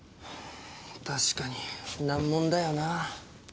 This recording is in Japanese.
確かに難問だよなぁ。